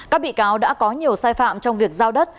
các bị cáo đã có nhiều sai phạm trong việc giao đất